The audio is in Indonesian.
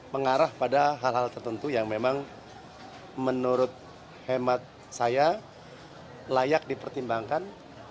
mengarah pada hal hal tertentu yang memang menurut hemat saya layak dipertimbangkan